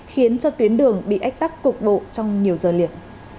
khiến cho tuyến đường bị ách tắc cục bộ trong nhiều giờ liền